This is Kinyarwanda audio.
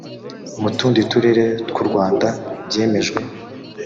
mu tundi turere tw u rwanda byemejwe